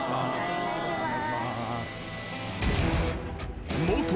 お願いします。